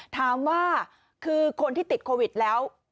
ถามว่าคือคนที่ติดโควิดแล้ว